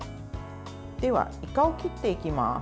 では、いかを切っていきます。